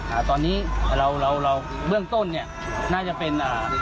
อะตอนนี้เหล่าเบื้องต้นนี่น่าจะเป็น